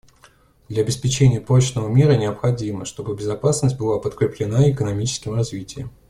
Для обеспечения прочного мира необходимо, чтобы безопасность была подкреплена экономическим развитием.